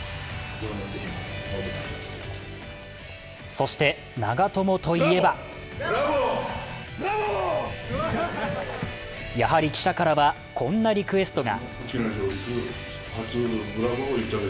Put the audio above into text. そして、長友といえばやはり記者からは、こんなリクエストが。